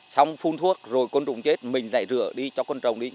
xong phun thuốc rồi côn trùng chết mình lại rửa đi cho côn trồng đi